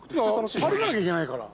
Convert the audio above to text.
歩かなきゃいけないから。